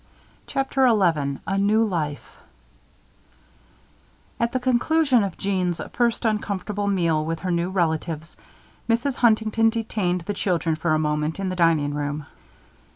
CHAPTER XI A NEW LIFE At the conclusion of Jeanne's first uncomfortable meal with her new relatives, Mrs. Huntington detained the children, for a moment, in the dining room.